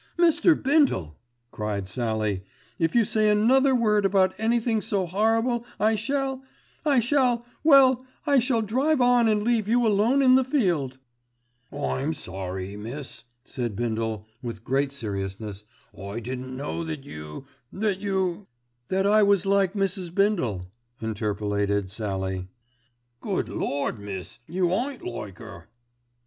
"Mr. Bindle," cried Sallie, "if you say another word about anything so horrible I shall—I shall—well, I shall drive on and leave you alone in the field." "I'm sorry, miss," said Bindle with great seriousness. "I didn't know that you—that you——" "That I was like Mrs. Bindle," interpolated Sallie. "Good Lord! miss, you ain't like 'er."